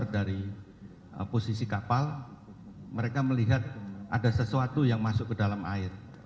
dari posisi kapal mereka melihat ada sesuatu yang masuk ke dalam air